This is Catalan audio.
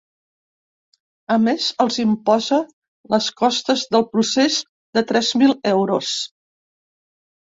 A més, els imposa les costes del procés, de tres mil euros.